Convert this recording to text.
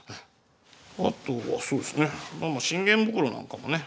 あとはそうですね信玄袋なんかもね。